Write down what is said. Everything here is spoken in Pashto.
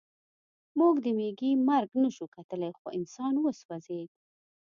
موږ د مېږي مرګ نشو کتلی خو انسان وسوځېد